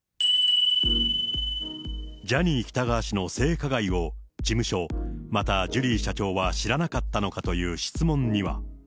ジャニー喜多川氏の性加害を、事務所、またジュリー社長は知らなかったのかという質問には。